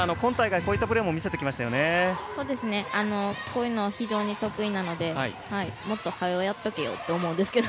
こういうの非常に得意なのでもっと、はよやっとけよ！と思うんですけど。